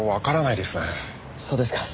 そうですか。